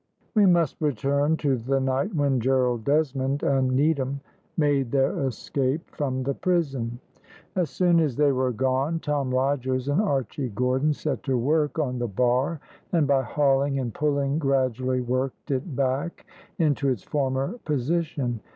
We must return to the night when Gerald Desmond and Needham made their escape from the prison. As soon as they were gone, Tom Rogers and Archy Gordon set to work on the bar, and by hauling and pulling gradually worked it back into its former position.